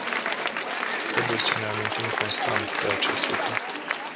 Trebuie să ne amintim constant de acest lucru.